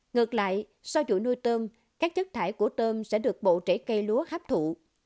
ngược lại sau vụ nuôi tôm các chất thải của tôm sẽ được bộ trễ cây lúa hấp thụ